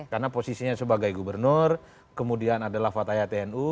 karena posisinya sebagai gubernur kemudian adalah fatah atnu